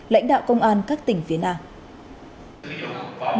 lãnh đạo công an các tỉnh phía nào